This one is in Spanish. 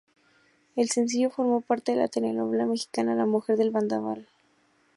El sencillo formó parte de la telenovela mexicana "La mujer del Vendaval".